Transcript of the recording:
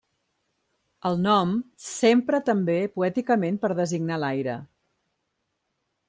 El nom s'empra també poèticament per designar l'aire.